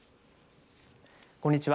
こんにちは。